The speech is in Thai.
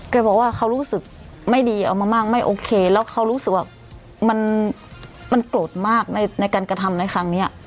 บอกว่าเขารู้สึกไม่ดีเอามามากไม่โอเคแล้วเขารู้สึกว่ามันโกรธมากในการกระทำในครั้งนี้